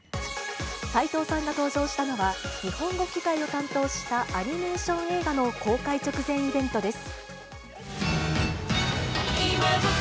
齊藤さんが登場したのは、日本語吹き替えを担当したアニメーション映画の公開直前イベントです。